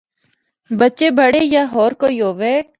بچے، بڑے یا ہور کوئی ہوّے۔